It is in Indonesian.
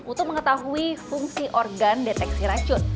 untuk mengetahui fungsi organ deteksi racun